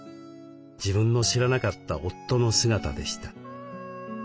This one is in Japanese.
自分の知らなかった夫の姿でした。